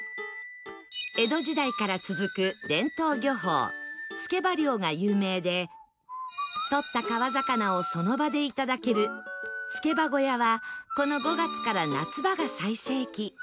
江戸時代から続く伝統漁法つけば漁が有名でとった川魚をその場でいただけるつけば小屋はこの５月から夏場が最盛期